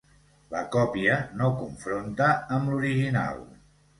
La còpia no confronta amb l'original.